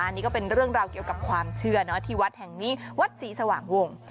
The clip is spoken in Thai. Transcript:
นี่ก็เป็นเรื่องราวเกี่ยวกับความเชื่อที่วัดแห่งนี้วัดศรีสว่างวง